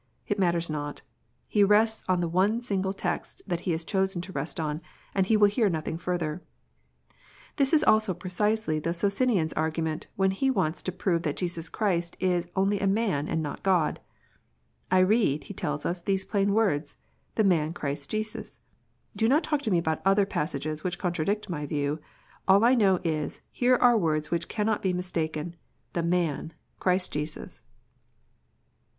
It matters not. He rests on the one single text that he has chosen to rest on, and he will hear nothing further. This also is precisely the Socinian s argument, when he wants to prove that Jesus Christ is only a man, and not God. read," he tells us, "these plain words, The man, Christ Jesus. Do not talk to me about other passages which contradict my view. All I know is, here are words which cannot be mistaken, The man, Christ Jesus.